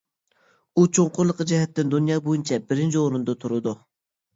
ئۇ چوڭقۇرلۇقى جەھەتتىن دۇنيا بويىچە بىرىنچى ئورۇندا تۇرىدۇ.